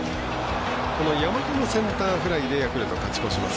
山田のセンターフライでヤクルト勝ち越します。